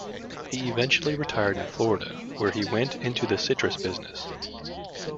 He eventually retired in Florida where he went into the citrus business.